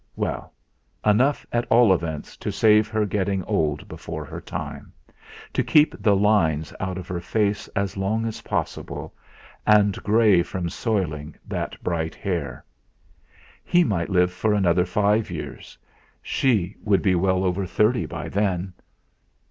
Well! enough at all events to save her getting old before her time, to keep the lines out of her face as long as possible, and grey from soiling that bright hair. He might live another five years. She would be well over thirty by then.